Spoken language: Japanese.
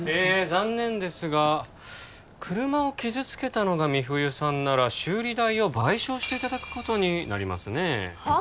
残念ですが車を傷つけたのが美冬さんなら修理代を賠償していただくことになりますねはあ？